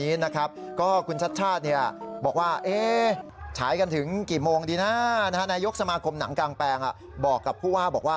อิจฉาเลยใช่ไหมอิจฉาโอ้โฮ